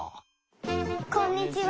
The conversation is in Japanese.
こんにちは！